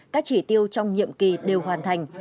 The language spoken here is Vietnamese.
các chỉ tiêu trong nhiệm kỳ đều hoàn thành